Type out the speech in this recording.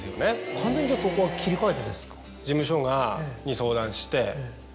完全にじゃあそこは切り替えてですか。